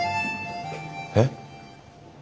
えっ。